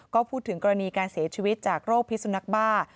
ก็พูดถึงกรณีการเสียชีวิตจากโรคพิสุนักบ้า